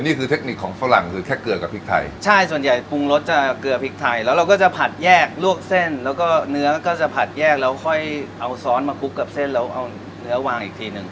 เทคนิคของฝรั่งคือแค่เกลือกับพริกไทยใช่ส่วนใหญ่ปรุงรสจะเกลือพริกไทยแล้วเราก็จะผัดแยกลวกเส้นแล้วก็เนื้อก็จะผัดแยกแล้วค่อยเอาซอสมาคลุกกับเส้นแล้วเอาเนื้อวางอีกทีหนึ่ง